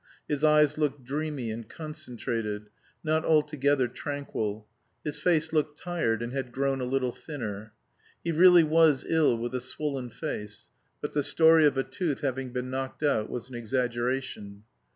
His eyes looked dreamy and concentrated, not altogether tranquil; his face looked tired and had grown a little thinner. He really was ill with a swollen face; but the story of a tooth having been knocked out was an exaggeration.